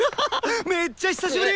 めっちゃ久しぶり！